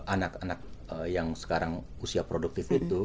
anak anak yang sekarang usia produktif itu